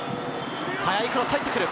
速いクロスが入ってくる。